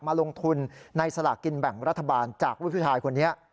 มาลงทุนในสลากกินแบ่งรัฐบาลจากลูกผู้ชายคนนี้